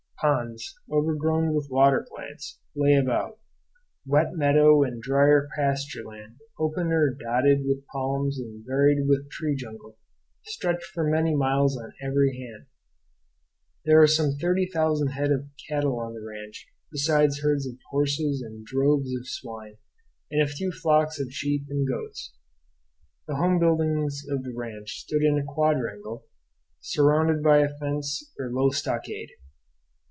Ponds, overgrown with water plants, lay about; wet meadow, and drier pastureland, open or dotted with palms and varied with tree jungle, stretched for many miles on every hand. There are some thirty thousand head of cattle on the ranch, besides herds of horses and droves of swine, and a few flocks of sheep and goats. The home buildings of the ranch stood in a quadrangle, surrounded by a fence or low stockade.